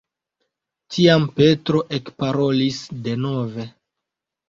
Tiam Petro ekparolis denove.